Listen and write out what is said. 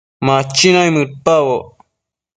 Ma machi naimëdpaboc